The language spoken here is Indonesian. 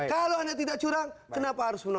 kalau anda tidak curang kenapa harus pulang